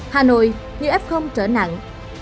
hà nội như f trở nặng